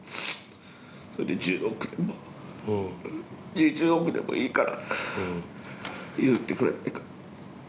それで１０億でも２０億でもいいから譲ってくれないか。